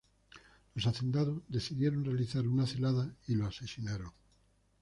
Los hacendados decidieron realizar una celada y lo asesinaron.